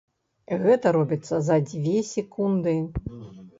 Гэта робіцца за дзве секунды.